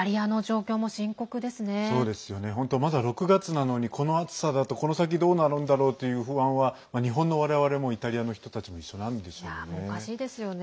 まだ６月なのにこの暑さだとこの先どうなるんだろうという不安は日本のわれわれもイタリアの人たちも一緒なんでしょうね。